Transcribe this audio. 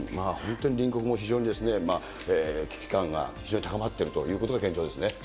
本当に隣国も、非常に危機感が非常に高まっているということが、現状ですね。